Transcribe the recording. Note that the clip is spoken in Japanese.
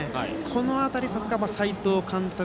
この辺りさすが斎藤監督